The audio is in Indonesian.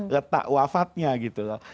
letak wafatnya gitu loh